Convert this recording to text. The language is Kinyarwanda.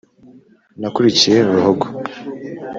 Nakurikiye Ruhogo